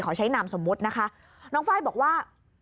ใช้นามสมมุตินะคะน้องไฟล์บอกว่า